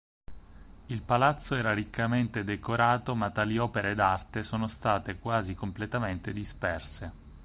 Il Palazzo era riccamente decorato, ma tali opere d'arte sono state quasi completamente disperse.